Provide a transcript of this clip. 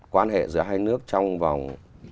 quan hệ giữa hai nước trong vòng